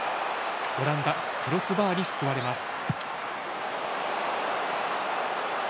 オランダクロスバーに救われます。